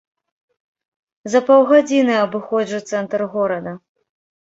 За паўгадзіны абыходжу цэнтр горада.